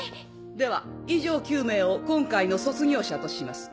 では以上９名を今回の卒業者とします。